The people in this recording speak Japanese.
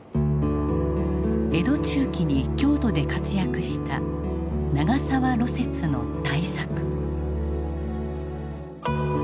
江戸中期に京都で活躍した長沢芦雪の大作。